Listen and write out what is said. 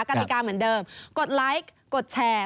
กติกาเหมือนเดิมกดไลค์กดแชร์